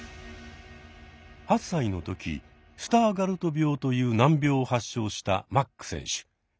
８歳の時スターガルト病という難病を発症したマック選手。